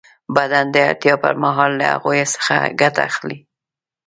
بدن د اړتیا پر مهال له هغوی څخه ګټه اخلي.